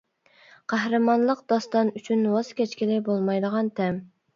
قەھرىمانلىق داستان ئۈچۈن ۋاز كەچكىلى بولمايدىغان تەم.